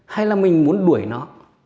hay là mình muốn đuổi nó